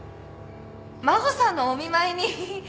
真帆さんのお見舞いに。